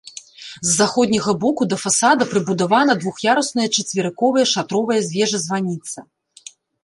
З заходняга боку да фасада прыбудавана двух'ярусная чацверыковая шатровая вежа-званіца.